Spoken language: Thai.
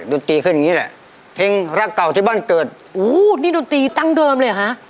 ดนตรีขึ้นอย่างงี้แหละเพลงรักเก่าที่บ้านเกิดอู้นี่ดนตรีตั้งเดิมเลยเหรอฮะ